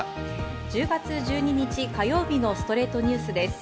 １０月１２日、火曜日の『ストレイトニュース』です。